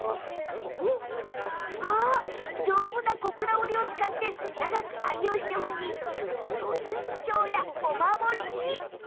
丈夫な小倉織を使って長く愛用してほしいと御朱印帳やお守りに。